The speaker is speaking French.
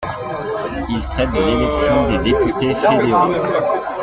Il traite de l'élection des députés fédéraux.